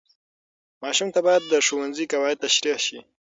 ماشوم ته باید د ښوونځي قواعد تشریح شي.